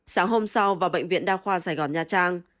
sáng hôm sau vào bệnh viện đa khoa sài gòn nha trang